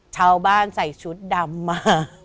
ชาวบ้านใส่ชุดดำมา